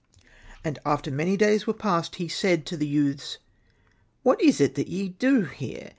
And after many days were passed, he said to the youths, '' What is it that ye do here